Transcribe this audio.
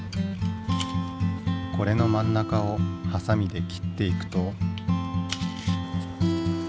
これの真ん中をハサミで切っていくと。